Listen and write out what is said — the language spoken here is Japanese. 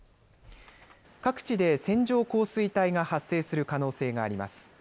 各地で線状降水帯が発生する可能性があります。